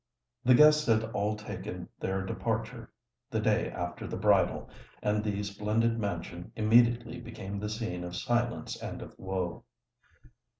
The guests had all taken their departure the day after the bridal; and the splendid mansion immediately became the scene of silence and of woe.